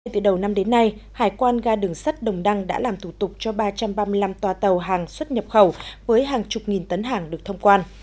từ đầu năm đến nay hải quan ga đường sắt đồng đăng đã làm thủ tục cho ba trăm ba mươi năm toa tàu hàng xuất nhập khẩu với hàng chục nghìn tấn hàng được thông quan